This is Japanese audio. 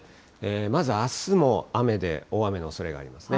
まずあすも雨で、大雨のおそれがありますね。